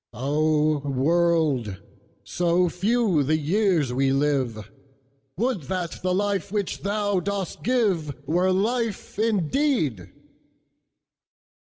O World! so few the years we live, Would that the life which thou dost giveWere life indeed!